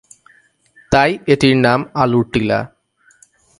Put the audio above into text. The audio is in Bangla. তাই এটির নাম আলুর টিলা